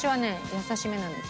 優しめなんです。